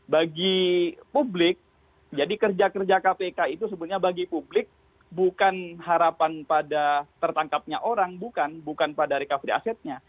bagi publik jadi kerja kerja kpk itu sebenarnya bagi publik bukan harapan pada tertangkapnya orang bukan pada recovery asetnya